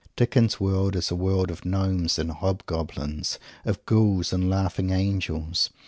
Dickens' world is a world of gnomes and hob goblins, of ghouls and of laughing angels.